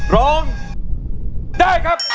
ร้องได้ครับ